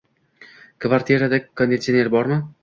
Kvartirada konditsioner bormi?